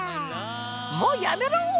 もうやめろ！